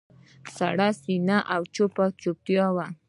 سړه سینه او چپه چوپتیا وه.